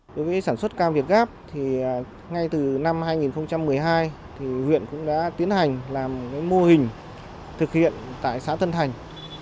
đối với sản xuất cam việt gáp thì ngay từ năm hai nghìn một mươi hai huyện cũng đã tiến hành làm mô hình thực hiện tại xã tân thành